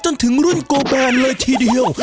จนถึงรุ่นโกแบนเลยทีเดียว